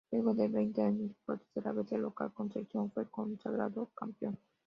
Luego de veinte años, y por tercera vez, el local Concepción fue consagrado campeón.